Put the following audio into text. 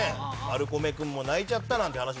マルコメ君も泣いちゃったなんて話もあります